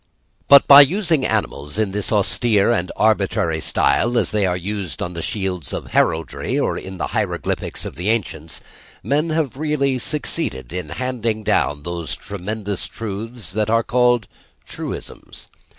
But by using animals in this austere and arbitrary style as they are used on the shields of heraldry or the hieroglyphics of the ancients, men have really succeeded in handing down those tremendous truths that are called truisms.